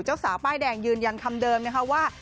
เจ้าสาวป้ายแดงยืนยันคำเดิมนะคะว่า